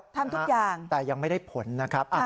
ทำทุกอย่างแต่ยังไม่ได้ผลนะครับ